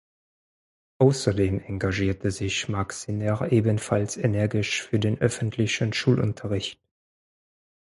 Außerdem engagierte sich Mark Skinner ebenfalls energisch für den öffentlichen Schulunterricht.